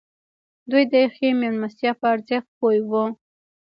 دوی د ښې مېلمستیا په ارزښت پوه وو.